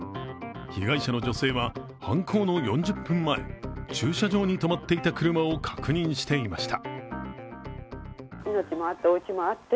被害者の女性は犯行の４０分前駐車場に止まっていた車を確認していました。